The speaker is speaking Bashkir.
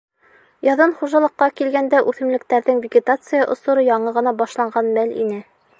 Яҙын хужалыҡҡа килгәндә үҫемлектәрҙең вегетация осоро яңы ғына башланған мәл ине.